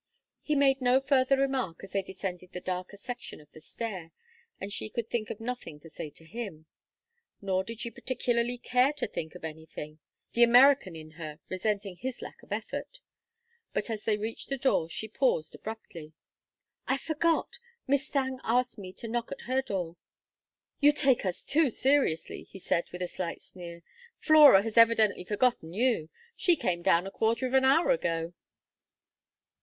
He made no further remark as they descended the darker section of the stair, and she could think of nothing to say to him. Nor did she particularly care to think of anything, the American in her resenting his lack of effort. But as they reached the door she paused abruptly. "I forgot! Miss Thangue asked me to knock at her door " "You take us too seriously," he said, with a slight sneer. "Flora has evidently forgotten you; she came down a quarter of an hour ago."